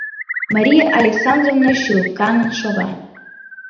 Мария Александровна шӱлыкаҥын шона.